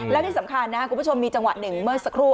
แล้วที่สำคัญนะครับคุณผู้ชมมีจังหวะหนึ่งเมื่อสักครู่